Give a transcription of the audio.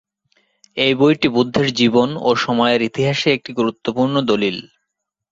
এই বইটি বুদ্ধের জীবন ও সময়ের ইতিহাসে একটি গুরুত্বপূর্ণ দলিল।